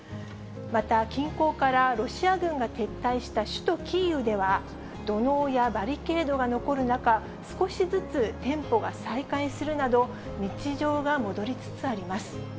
また、近郊からロシア軍が撤退した首都キーウでは、土のうやバリケードが残る中、少しずつ店舗が再開するなど、日常が戻りつつあります。